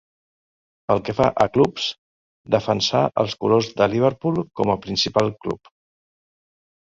Pel que fa a clubs, defensà els colors de Liverpool com a principal club.